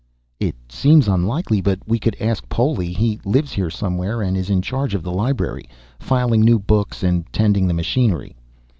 "It seems unlikely, but we could ask Poli. He lives here somewhere and is in charge of the library filing new books and tending the machinery."